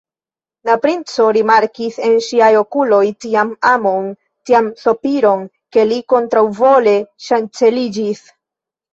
La princo rimarkis en ŝiaj okuloj tian amon, tian sopiron, ke li kontraŭvole ŝanceliĝis.